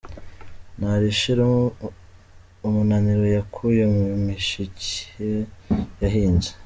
Ntarashira umunaniro yakuye mu mishike yahinze.